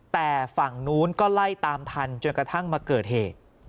แต่ฝั่งนู้นก็ไล่ตามทันจนกระทั่งมาเกิดเหตุ